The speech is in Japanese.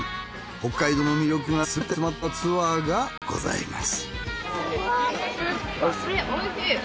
北海道の魅力がすべて詰まったツアーがございます。